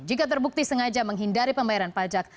jika terbukti sengaja menghindari pembayaran pajak